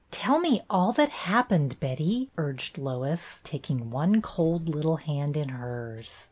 " Tell me all that happened, Betty," urged Lois, taking one cold little hand in hers.